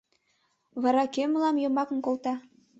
Вара кӧ мылам йомакым колта?